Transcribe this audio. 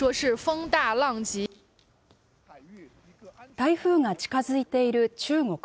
台風が近づいている中国。